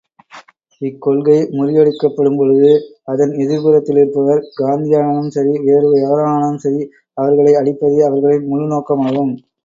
இக்கொள்கை முறியடிக்கப்படும் பொழுது அதன் எதிர்புறத்திலிருப்பவர் காந்தியானாலும் சரி, வேறு எவரானாலும் சரி, அவர்களை அழிப்பதே அவர்களின் முழுநோக்கமாகும்.